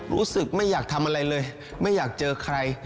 รู้สึกไม่อยากทำอะไรเลยไม่อยากเจอใคร